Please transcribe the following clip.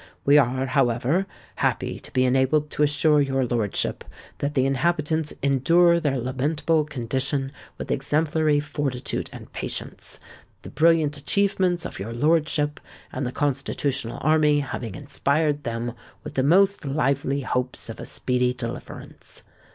We are, however, happy to be enabled to assure your lordship that the inhabitants endure their lamentable condition with exemplary fortitude and patience, the brilliant achievements of your lordship and the Constitutional Army having inspired them with the most lively hopes of a speedy deliverance.